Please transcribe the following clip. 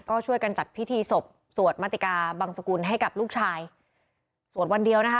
ก็ช่วยกันจัดพิธีศพสวดมติกาบังสกุลให้กับลูกชายสวดวันเดียวนะคะ